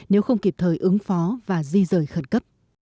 nếu không kịp thời ứng phó và di rời khẩn cấp